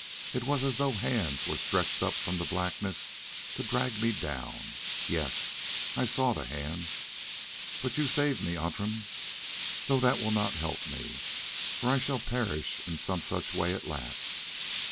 It was as though hands were stretched up from the blackness to drag me down—yes, I saw the hands. But you saved me, Outram, though that will not help me, for I shall perish in some such way at last.